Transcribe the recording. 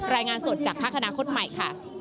รายงานสดจากภาคอนาคตใหม่ค่ะ